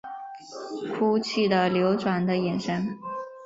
哭泣的流转的眼神